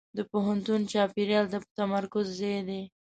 د پوهنتون چاپېریال د تمرکز ځای دی.